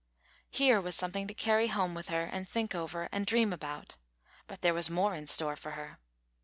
Here was something to carry home with her, and think over and dream about. But there was more in store for her.